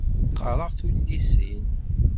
La qqareɣ tullisin.